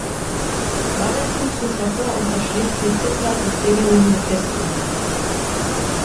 Valentin tritt hervor und zerschlägt die Zither des singenden Mephisto.